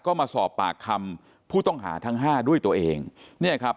ก็มาสอบปากคำผู้ต้องหาทั้งห้าด้วยตัวเองเนี่ยครับ